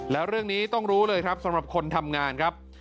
แล้วเรื่องนี้ต้องรู้เลยครับสำหรับคนทำงานครับ